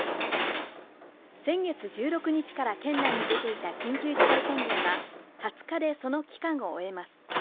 先月１６日から県内に出ていた緊急事態宣言は２０日でその期間を終えます。